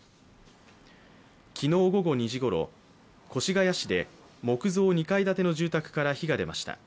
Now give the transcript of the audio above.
昨日午後２時ごろ、越谷市で木造２階建ての住宅から火が出ました。